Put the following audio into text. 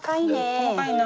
細かいな。